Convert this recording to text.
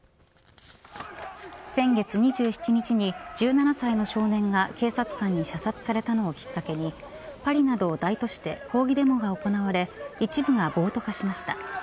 先月２７日に１７歳の少年が警察官に射殺されたのをきっかけに、パリなど大都市で抗議デモが行われ一部が暴徒化しました。